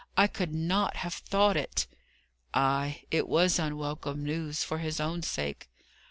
I could not have thought it." "Ay; it was unwelcome news, for his own sake."